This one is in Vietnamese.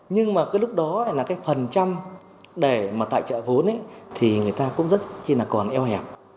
nhưng mà cái lúc đó là cái phần trăm để mà tài trợ vốn ấy thì người ta cũng rất là còn eo hẹp